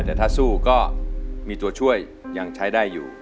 แต่ถ้าสู้ก็มีตัวช่วยยังใช้ได้อยู่